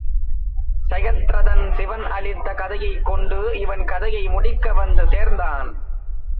சயத்ரதன் சிவன் அளித்த கதையைக் கொண்டு இவன் கதையை முடிக்க வந்து சேர்ந்தான்.